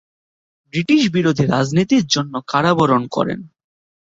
British বিরোধী রাজনীতির জন্য কারাবরণ করেন।